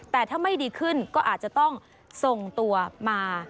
แต่ถ้าไม่ดีขึ้นก็อาจจะต้องส่งตัวมา